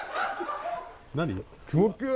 何？